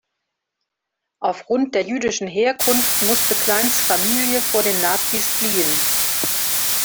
Aufgrund der jüdischen Herkunft musste Kleins Familie vor den Nazis fliehen.